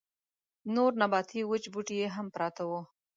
نور نباتي وچ بوټي يې هم پراته وو.